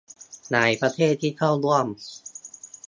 หลายประเทศที่เข้าร่วม